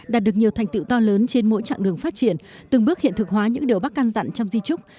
đạt được nhiều thành tựu to lớn trên mỗi chặng đường phát triển từng bước hiện thực hóa những điều bác căn dặn trong di trúc